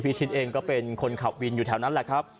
ชิดเองก็เป็นคนขับวินอยู่แถวนั้นแหละครับ